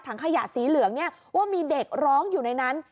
ขยะสีเหลืองเนี่ยว่ามีเด็กร้องอยู่ในนั้น